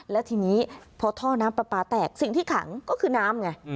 และทีนี้พอท่อน้ำปลาปลาแตกสิ่งที่ขังก็คือน้ำไง